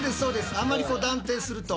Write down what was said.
あんまりこう断定すると。